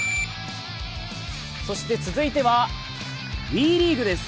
そして続いてはＷＥリーグです。